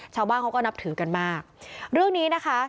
ชาวบ้านเขาก็นับถือกันมากเรื่องนี้นะคะ